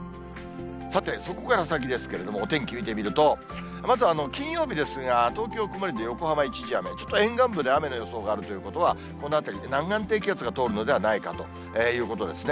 さて、そこから先ですけれども、お天気見てみると、まず金曜日ですが、東京曇りで横浜一時雨、ちょっと沿岸部で雨の予想があるということは、このあたりで南岸低気圧が通るのではないかということですね。